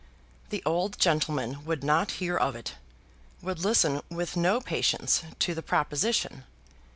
The old gentleman would not hear of it, would listen with no patience to the proposition.